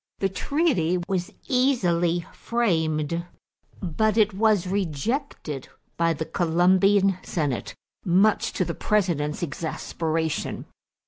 The treaty was easily framed, but it was rejected by the Colombian senate, much to the President's exasperation.